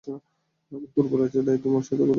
কুকুর পালাচ্ছে আর তুই আমার সাথে গুতাগুতি করছিস, বলদ!